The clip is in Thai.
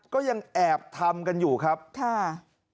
ก็ยังแอบทำกันอยู่ครับค่ะ